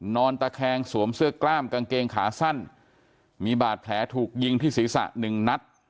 นอนตะแคงสวมเสื้อกล้ามกางเกงขาสั้นมีบาดแผลถูกยิงที่ศีรษะหนึ่งนัด